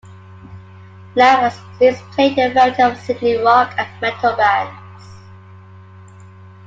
Lamb has since played in a variety of Sydney rock and metal bands.